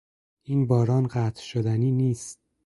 این باران قطع شدنی نیست!